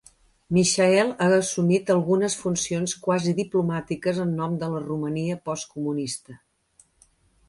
Michael ha assumit algunes funcions quasi diplomàtiques en nom de la Romania postcomunista.